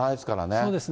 そうですね。